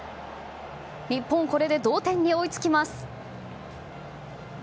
日本、これで同点に追いつきます。